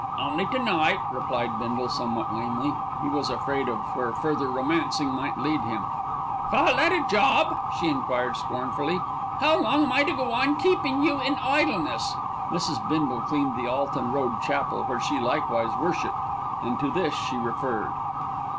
"Only to night," replied Bindle somewhat lamely. He was afraid of where further romancing might lead him. "Call that a job?" she enquired scornfully. "How long am I to go on keepin' you in idleness?" Mrs. Bindle cleaned the Alton Road Chapel, where she likewise worshipped, and to this she referred.